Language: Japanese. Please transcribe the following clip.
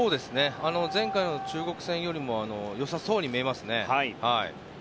前回の中国戦よりも良さそうに見えますね。